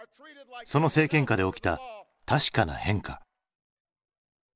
その政権下で起きた確かな変化。